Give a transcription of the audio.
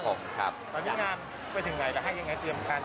ตอนนี้งานไปถึงไหนจะให้ยังไงเตรียมการ